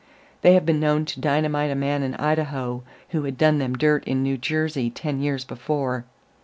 They have been known to dynamite a man in Idaho who had done them dirt in New Jersey ten years before.